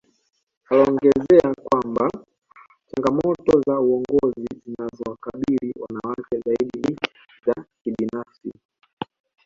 Anaongezea kwamba changamoto za uongozi zinazowakabili wanawake zaidi ni za kibinafsi